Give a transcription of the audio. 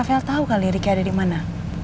novel tahu kali riki ada di mana